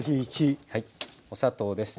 お砂糖です。